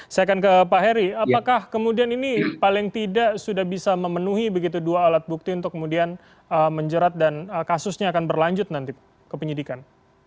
saya akan ke pak heri apakah kemudian ini paling tidak sudah bisa memenuhi begitu dua alat bukti untuk kemudian menjerat dan kasusnya akan berlanjut nanti ke penyidikan